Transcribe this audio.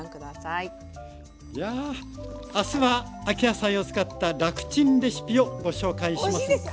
いや明日は秋野菜を使った楽チンレシピをご紹介します。